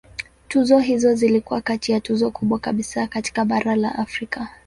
Tuzo hizo zilikuwa kati ya tuzo kubwa kabisa katika bara la Afrika.